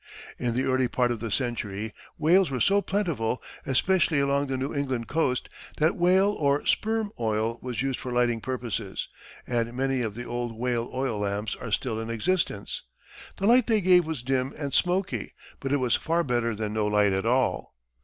In the early part of the century, whales were so plentiful, especially along the New England coast, that whale, or sperm, oil was used for lighting purposes, and many of the old whale oil lamps are still in existence. The light they gave was dim and smoky, but it was far better than no light at all.